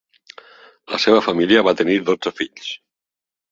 La seva família va tenir dotze fills.